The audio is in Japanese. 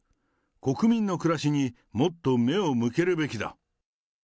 国民の暮らしにもっと目を向けるべきだ。